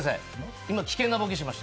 今、危険なボケをしました。